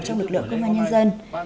trong lực lượng công an nhân dân